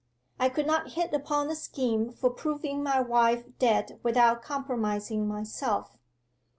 I could not hit upon a scheme for proving my wife dead without compromising myself.